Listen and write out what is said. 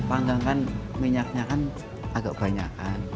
pagang kan minyaknya kan agak banyak kan